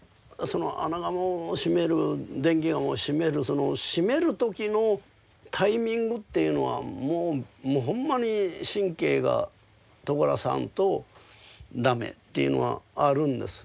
その穴窯を閉める電気窯を閉めるその閉める時のタイミングっていうのはもうもうほんまに神経がとがらさんと駄目っていうのはあるんです。